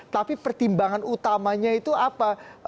tapi pertimbangan utamanya itu apa